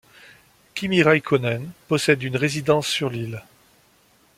Kimi Räikkönen possède une résidence sur l'île.